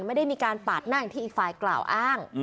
ไม่ได้มีการปาดหน้าอย่างที่อีกฝ่ายกล่าวอ้าง